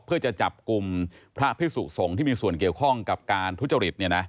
เพื่อจะจับกลุ่มพระพิสุสงฆ์ที่มีส่วนเกี่ยวข้องกับการทุจริต